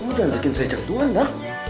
mudah mudahan bikin saya jatuh anda